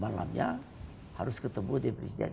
malamnya harus ketemu di presiden